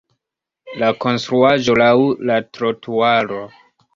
La konstruaĵo laŭ la trotuaro.